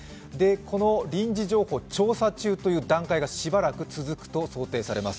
この臨時情報調査中という段階がしばらく続くと想定されます。